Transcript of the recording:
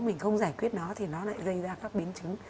mình không giải quyết nó thì nó lại gây ra các biến chứng